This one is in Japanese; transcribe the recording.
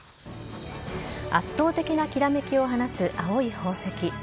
圧倒的なきらめきを放つ青い宝石。